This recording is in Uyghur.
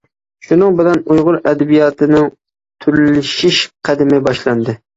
شۇنىڭ بىلەن ئۇيغۇر ئەدەبىياتىنىڭ تورلىشىش قەدىمى باشلاندى.